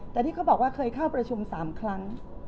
แต่ที่เขาบอกว่าเคยเข้าประชุม๓ครั้ง